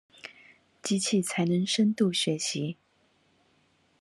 機器才能深度學習